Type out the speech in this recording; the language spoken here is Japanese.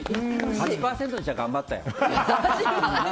８％にしては頑張ったよ。